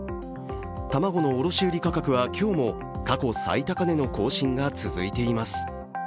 卵の卸売価格は今日も過去最高値の更新が続いています。